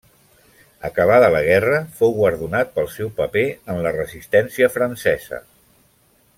Acabada la guerra, fou guardonat pel seu paper en la resistència francesa.